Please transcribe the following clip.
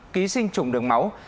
ký sinh trùng đường máu